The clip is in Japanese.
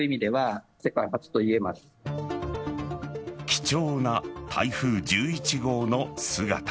貴重な台風１１号の姿。